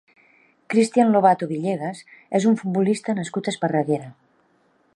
Cristian Lobato Villegas és un futbolista nascut a Esparreguera.